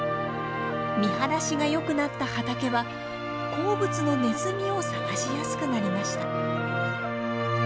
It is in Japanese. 見晴らしがよくなった畑は好物のネズミを探しやすくなりました。